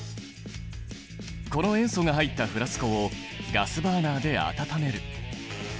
この塩素が入ったフラスコをガスバーナーで温める。